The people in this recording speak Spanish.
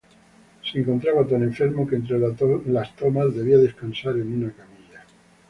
Se encontraba tan enfermo que entre las tomas debía descansar en una camilla.